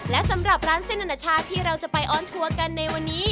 และสำหรับร้านเส้นอนาชาติที่เราจะไปออนทัวร์กันในวันนี้